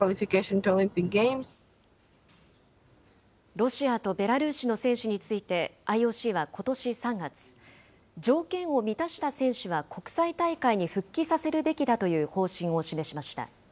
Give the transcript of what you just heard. ロシアとベラルーシの選手について、ＩＯＣはことし３月、条件を満たした選手は国際大会に復帰させるべきだという方針を示しました。